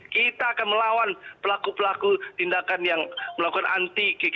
kita akan melawan pelaku pelaku tindakan yang melakukan anti kegiatan terhadap korupsi ini